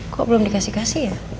kok belum dikasih kasih ya